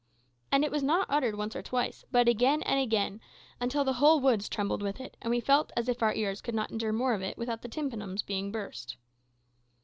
And it was not uttered once or twice, but again and again, until the whole woods trembled with it, and we felt as if our ears could not endure more of it without the tympanums being burst.